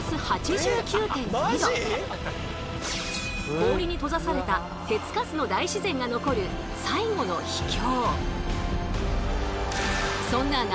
氷に閉ざされた手つかずの大自然が残る最後の秘境。